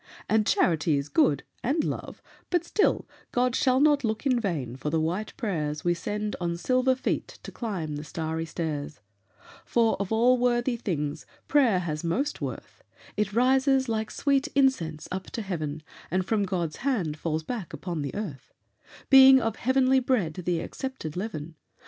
And charity is good, and love but still God shall not look in vain for the white prayers We send on silver feet to climb the starry stairs; "For, of all worthy things, prayer has most worth, It rises like sweet incense up to heaven, And from God's hand falls back upon the earth, Being of heavenly bread the accepted leaven.